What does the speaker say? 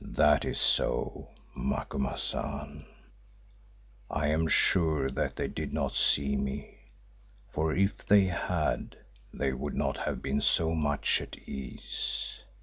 "That is so, Macumazahn; I am sure that they did not see me, for if they had they would not have been so much at ease.